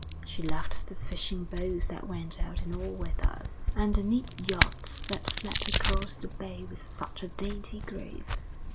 She loved the fishing boats that went out in all weathers, and the neat yachts that fled across the bay with such a dainty grace.